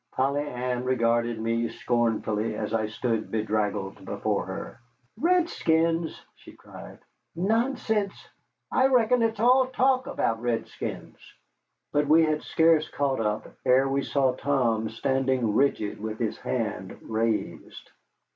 Polly Ann regarded me scornfully as I stood bedraggled before her. "Redskins!" she cried. "Nonsense! I reckon it's all talk about redskins." But we had scarce caught up ere we saw Tom standing rigid with his hand raised.